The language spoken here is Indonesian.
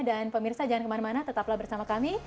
dan pemirsa jangan kemana mana tetaplah bersama kami